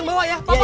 mama mau ngelahirin